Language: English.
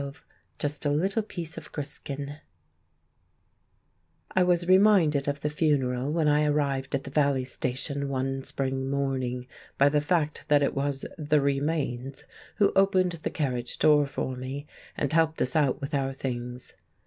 XII Just a Little Piece of Griskin I WAS reminded of the funeral when I arrived at the valley station one spring morning, by the fact that it was "the remains" who opened the carriage door for me and helped us out with our things.